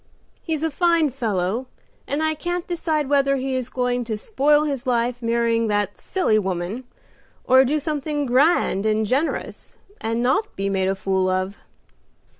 He is a fine fellow, and I can't decide whether he is going to spoil his life marrying that silly woman, or do something grand and generous, and not be made a fool of."